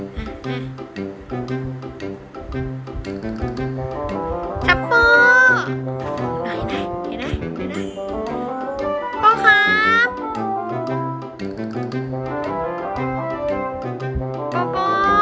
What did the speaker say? เมื่อกี้มันพยายามกระโดดแล้ว